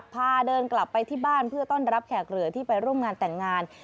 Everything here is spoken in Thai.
พาเดินกลับไปที่บ้านเพื่อต้อนรับแขกเหลือที่ไปร่วมงานแต่งงาน